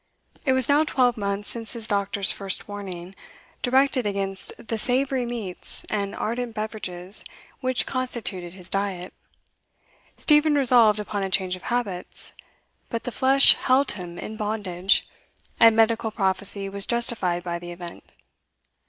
It was now twelve months since his doctor's first warning, directed against the savoury meats and ardent beverages which constituted his diet; Stephen resolved upon a change of habits, but the flesh held him in bondage, and medical prophecy was justified by the event.